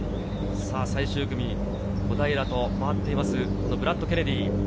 最終組、小平と回っているブラッド・ケネディ。